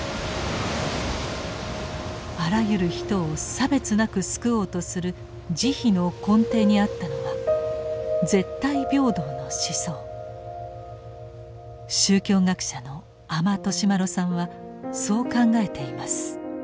あらゆる人を差別なく救おうとする「慈悲」の根底にあったのは絶対平等の思想宗教学者の阿満利麿さんはそう考えています。